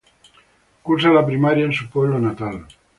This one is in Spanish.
Cursa la primaria en su pueblo natal.